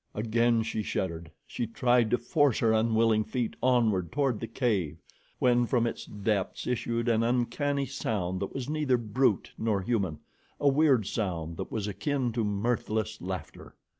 Again she shuddered. She tried to force her unwilling feet onward toward the cave, when from its depths issued an uncanny sound that was neither brute nor human, a weird sound that was akin to mirthless laughter.